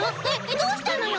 どうしたのよ？